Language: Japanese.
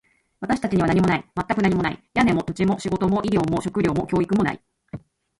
私たちには何もない。全く何もない。屋根も、土地も、仕事も、医療も、食料も、教育もない。